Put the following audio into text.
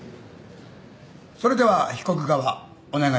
それでは被告側お願いします。